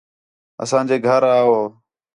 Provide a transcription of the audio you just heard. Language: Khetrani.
اساں جے گھر آ ہو